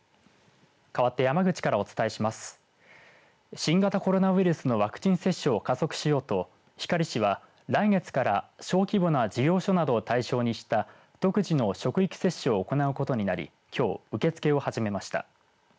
新型コロナウイルスのワクチン接種を加速しようと光市は来月から小規模な事業所などを対象にした独自の職域接種を行うことになりきょう、受け付けを始めました。